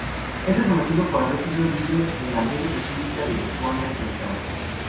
Es reconocido por haber sido líder de la breve República de Lituania Central.